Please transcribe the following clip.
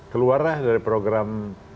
keluar dari program